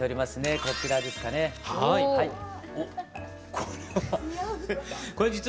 これは。